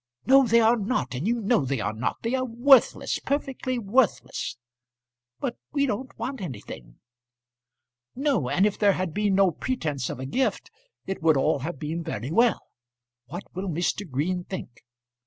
"No, they are not, and you know they are not. They are worthless; perfectly worthless." "But we don't want anything." "No; and if there had been no pretence of a gift it would all have been very well. What will Mr. Green think?"